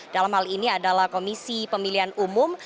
dalam hal ini adalah komisi pemilihan umum